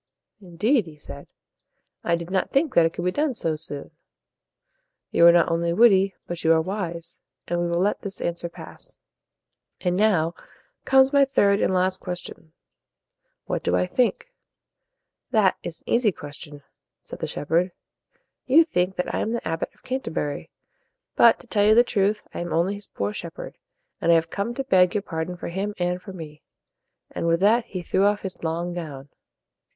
"Indeed," he said, "I did not think that it could be done so soon. You are not only witty, but you are wise, and we will let this answer pass. And now comes my third and last question: What do I think?" "That is an easy question," said the shepherd. "You think that I am the Abbot of Can ter bur y. But, to tell you the truth, I am only his poor shepherd, and I have come to beg your pardon for him and for me." And with that, he threw off his long gown.